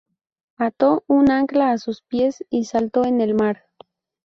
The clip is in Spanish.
Ató un ancla a sus pies y saltó en el mar.